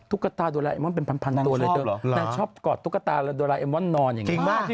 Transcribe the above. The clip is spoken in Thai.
ตุ๊กตาโดราเอมอนเป็นพันนางตัวเลยนางชอบกอดตุ๊กตาแล้วโดราเอมอนนอนอย่างนี้